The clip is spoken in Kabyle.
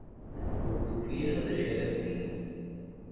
Ur tufi ara d acu ara d-tini.